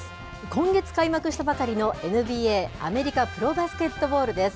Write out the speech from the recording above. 今月開幕したばかりのＮＢＡ・アメリカプロバスケットボールです。